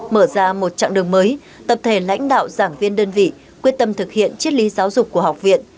mở ra một chặng đường mới tập thể lãnh đạo giảng viên đơn vị quyết tâm thực hiện triết lý giáo dục của học viện